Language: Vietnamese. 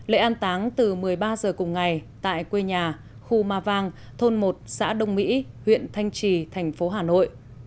lễ an táng từ một mươi ba h cùng ngày tại quê nhà khu ma vang thôn một xã đông mỹ huyện thanh trì thành phố hà nội